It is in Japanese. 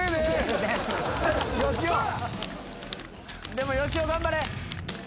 でもよしお頑張れ！